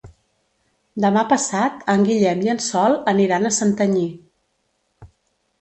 Demà passat en Guillem i en Sol aniran a Santanyí.